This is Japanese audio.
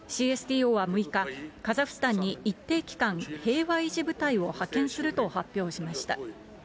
ＣＳＴＯは６日、カザフスタンに一定期間、平和維持部隊を派遣すると発表しました。